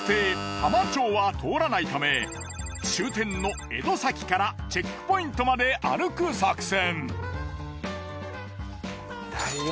浜町は通らないため終点の江戸崎からチェックポイントまで歩く作戦。